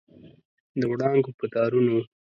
د وړانګو په تارونو